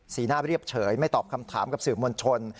หน้าเรียบเฉยไม่ตอบคำถามกับสื่อมวลชน